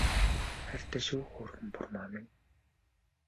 Хайртай шүү хөөрхөн бурмаа минь